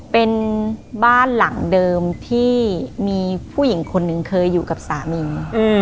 เป็นบ้านหลังเดิมที่มีผู้หญิงคนหนึ่งเคยอยู่กับสามี